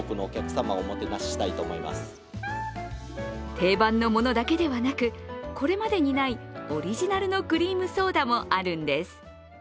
定番のものだけではなく、オリジナルのクリームソーダもあるんです。